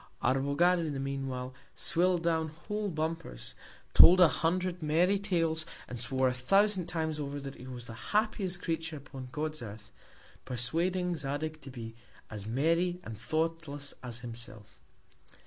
Arbogad, in the mean while, swill'd down whole Bumpers, told a Hundred merry Tales, and swore a thousand Times over, that he was the happiest Creature upon God's Earth; persuading Zadig to be as merry, and thoughtless as himself.